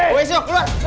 woy siok keluar